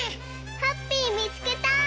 ハッピーみつけた！